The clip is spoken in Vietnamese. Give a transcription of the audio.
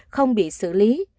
không bị xử lý